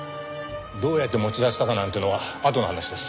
どうやって持ち出したかなんてのはあとの話です。